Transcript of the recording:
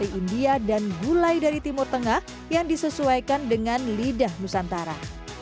dari india dan gulai dari timur tengah yang disesuaikan dengan lidah nusantara